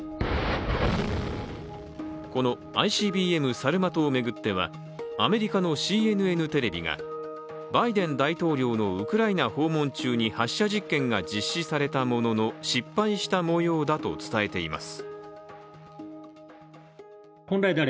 このＩＣＢＭサルマトを巡ってはアメリカのＣＮＮテレビがバイデン大統領のウクライナ訪問中に発射実験が実施されたものの失敗したもようだと伝えています。